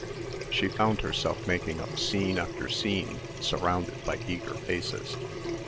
She found herself making up scene after scene surrounded by eager faces.